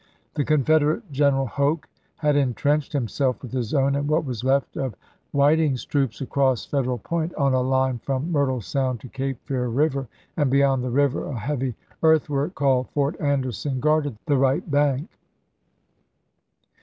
The Confederate general Hoke had intrenched himself with his own and what was left of Whi FORT FISHER AND WILMINGTON 69 ting's troops across Federal Point, on a line from chap. in. Myrtle Sound to Cape Fear River, and beyond the river a heavy earthwork called Fort Anderson guarded the right bank.